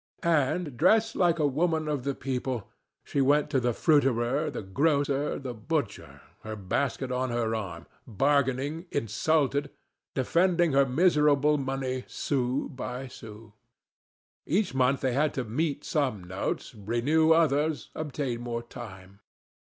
And, dressed like a woman of the people, she went to the fruiterer, the grocer, the butcher, her basket on her arm, bargaining, insulted, defending her miserable money sou by sou. Each month they had to meet some notes, renew others, obtain more time.